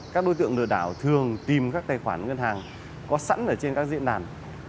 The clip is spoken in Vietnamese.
các đối tượng lừa đảo thường tìm các tài khoản ngân hàng có sẵn ở trên các diễn đàn